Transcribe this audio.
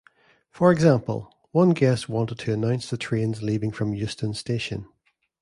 For example, one guest wanted to announce the trains leaving from Euston Station.